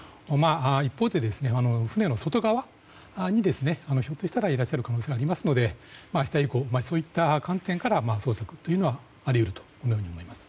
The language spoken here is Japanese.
一方で船の外側にひょっとしたらいらっしゃる可能性がありますので明日以降、そういった観点から捜索というのはあり得ると思います。